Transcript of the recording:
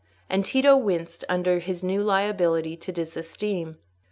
And Tito winced under his new liability to disesteem.